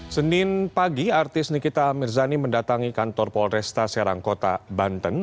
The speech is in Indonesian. senin pagi artis nikita mirzani mendatangi kantor polresta serang kota banten